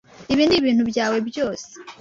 Ibi nibintu byawe byose?